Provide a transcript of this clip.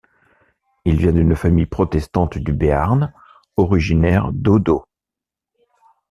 Il vient d'une famille protestante du Béarn, originaire d'Audaux.